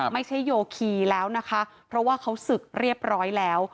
โยคีแล้วนะคะเพราะว่าเขาศึกเรียบร้อยแล้ว